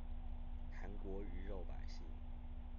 韓國魚肉百姓